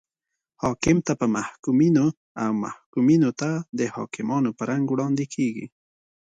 حاکم ته په محکومینو او محکومینو ته د حاکمانو په رنګ وړاندې کیږي.